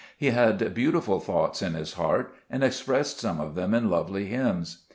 He had beautiful thoughts in his heart, and expressed some of them in lovely hymns.